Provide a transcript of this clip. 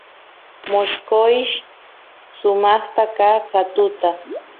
mosqoysh sumaqta ka katuta